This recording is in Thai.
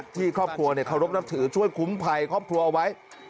ที่ครอบครัวเคารพนับถือช่วยคุ้มภัยครอบครัวเอาไว้